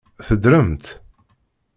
Teddremt?